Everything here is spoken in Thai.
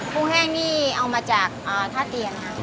กุ้งแห้งนี่เอามาจากท่าเตียงครับ